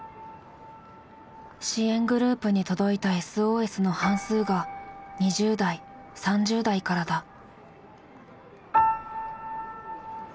支援グループに届いたＳＯＳの半数が２０代３０代からだ。